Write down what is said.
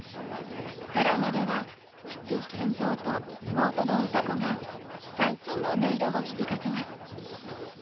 ドラマでは父賢三と妹の歌子が三線の音色を響かせます。